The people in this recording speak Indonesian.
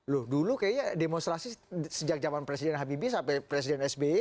loh dulu kayaknya demonstrasi sejak zaman presiden habibie sampai presiden sby